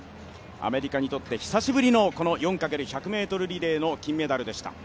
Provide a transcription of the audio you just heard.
アメリカにとって久しぶりのこの４×１００ｍリレーの金メダルでした。